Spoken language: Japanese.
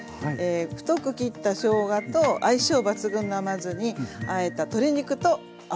太く切ったしょうがと相性抜群の甘酢にあえた鶏肉と合わせました。